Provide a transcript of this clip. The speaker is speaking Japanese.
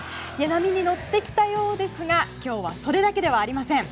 波に乗ってきたようですが今日はそれだけではありません。